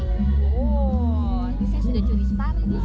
oh ini saya sudah curi sepati